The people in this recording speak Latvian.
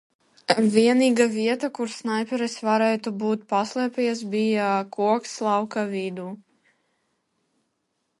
Vienīgā vieta, kur snaiperis varētu būt paslēpies, bija koks lauka vidū.